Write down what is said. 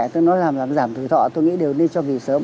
tương đối với làm giảm thủy thọ tôi nghĩ đều nên cho nghỉ sớm